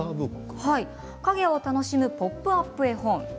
影を楽しむポップアップ絵本。